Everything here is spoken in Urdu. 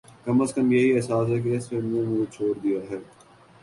کم از کم یہی احساس ہے کہ اس فلم نے مجھے چھوڑ دیا ہے